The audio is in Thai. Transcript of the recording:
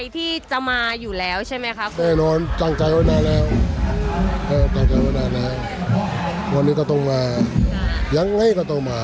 ผมยังคิดถึงมาก